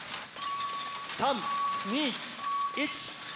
３２１。